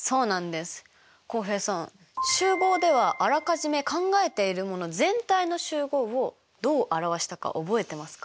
浩平さん集合ではあらかじめ考えているもの全体の集合をどう表したか覚えてますか？